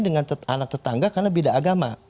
dengan anak tetangga karena beda agama